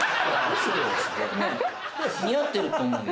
ねっ似合ってると思うよ。